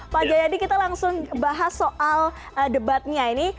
pak jayadi kita langsung bahas soal debatnya ini